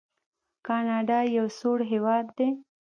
کاناډا یو سوړ هیواد دی.